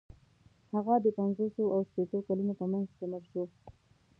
هغه د پنځوسو او شپیتو کلونو په منځ کې مړ شو.